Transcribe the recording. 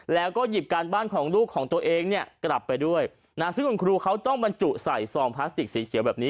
แล้วก็หยิบการบ้านของลูกของตัวเองเนี่ยกลับไปด้วยนะซึ่งคุณครูเขาต้องบรรจุใส่ซองพลาสติกสีเขียวแบบนี้